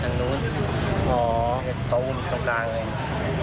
คันหนึ่งแซงตูดลงไปอีกคันหนึ่งมาทางนู้น